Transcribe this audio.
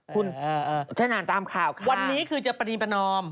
คุณฉะนั้นตามข่าวค่ะวันนี้คือจะปริมานอม